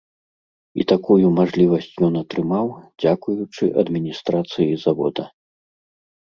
І такую мажлівасць ён атрымаў, дзякуючы адміністрацыі завода.